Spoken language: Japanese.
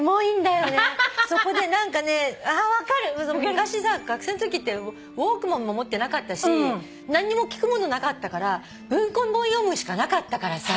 昔さ学生のときってウォークマンも持ってなかったし何にも聞くものなかったから文庫本読むしかなかったからさ。